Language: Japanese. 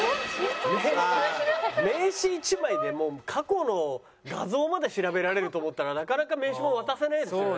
名刺１枚でもう過去の画像まで調べられると思ったらなかなか名刺も渡せないですよね。